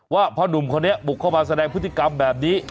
พ่อนุ่มคนนี้บุกเข้ามาแสดงพฤติกรรมแบบนี้